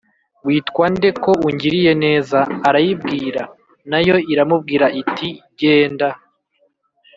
"witwa nde ko ungiriye neza?" arayibwira. na yo iramubwira iti: "genda